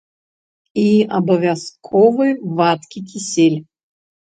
І абавязковы вадкі кісель.